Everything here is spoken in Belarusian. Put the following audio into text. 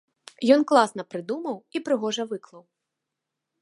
Ён класна прыдумаў і прыгожа выклаў.